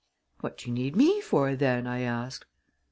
"What do you need me for, then?" I asked.